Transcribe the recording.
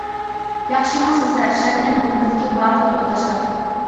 ياخشىمۇ سىزلەر شەبنەم مۇنبىرىدىكى بارلىق تورداشلار.